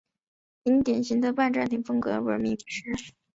因典型的拜占庭风格而闻名于世。